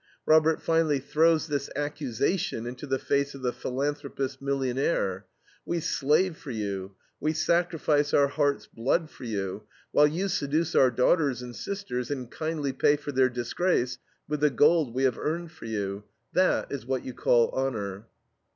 Robert finally throws this accusation into the face of the philanthropist millionaire: "We slave for you, we sacrifice our heart's blood for you, while you seduce our daughters and sisters and kindly pay for their disgrace with the gold we have earned for you. That is what you call honor."